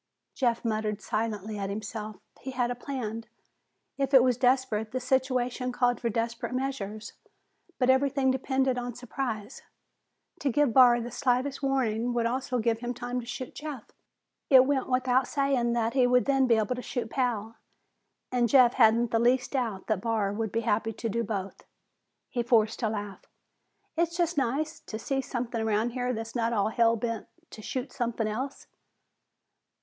Jeff muttered silently at himself. He had a plan. If it was desperate, the situation called for desperate measures. But everything depended on surprise. To give Barr the slightest warning would also give him time to shoot Jeff. It went without saying that he would then be able to shoot Pal, and Jeff hadn't the least doubt that Barr would be happy to do both. He forced a laugh. "It's just nice to see something around here that's not hell bent to shoot something else."